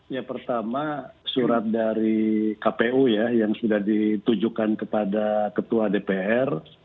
ya pertama surat dari kpu ya yang sudah ditujukan kepada ketua dpr